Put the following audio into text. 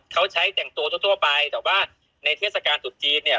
เขาใช้แต่งตัวทั่วไปแต่ว่าในเทศกาลตรุษจีนเนี่ย